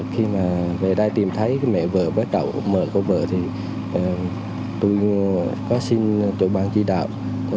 khi về đây tìm thấy mẹ vợ với cậu mợ của vợ tôi xin chủ bàn chỉ đạo